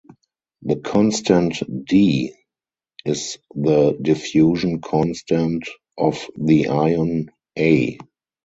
The constant "D" is the diffusion constant of the ion A.